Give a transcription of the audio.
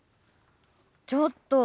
ちょっと！